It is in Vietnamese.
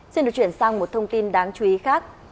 xin được chuyển sang một thông tin đáng chú ý khác